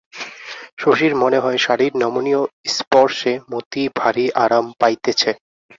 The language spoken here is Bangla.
শশীর মনে হয় শাড়ির নমনীয় স্পর্শে মতি ভারি আরাম পাইতেছে।